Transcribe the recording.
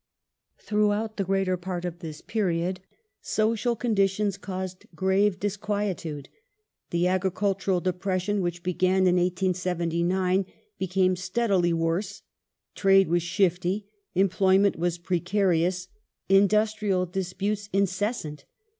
The "con Throughout the greater part of this period social conditions e'*T °d " c^^s^^ grave disquietude. The agricultural depression which began in 1879 became steadily worse; trade was shifty ; employment was precarious ; industrial disputes incessant.